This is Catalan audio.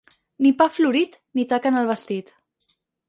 Ni pa florit ni taca en el vestit.